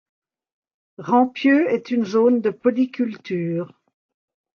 Rampieux est une zone de polyculture.